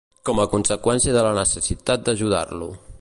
Com a conseqüència de la necessitat d"ajudar-lo.